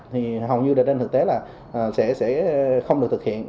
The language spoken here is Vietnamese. thì hầu như trên thực tế là sẽ không được thực hiện